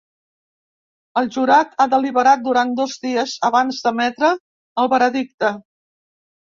El jurat ha deliberat durant dos dies abans d’emetre el veredicte.